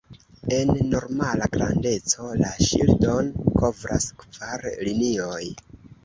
En normala grandeco, la ŝildon kovras kvar linioj.